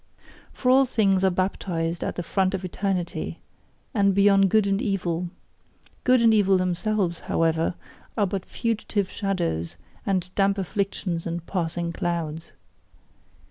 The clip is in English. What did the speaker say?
For all things are baptized at the font of eternity, and beyond good and evil; good and evil themselves, however, are but fugitive shadows and damp afflictions and passing clouds.